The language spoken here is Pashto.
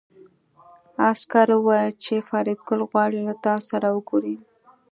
عسکر وویل چې فریدګل غواړي له تاسو سره وګوري